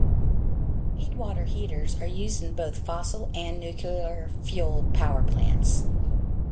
Feedwater heaters are used in both fossil- and nuclear-fueled power plants.